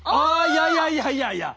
いやいやいやいやいや！